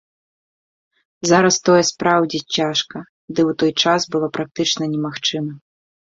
Зараз тое спраўдзіць цяжка, ды і ў той час было практычна немагчыма.